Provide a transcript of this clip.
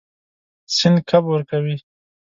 سیند کب ورکوي.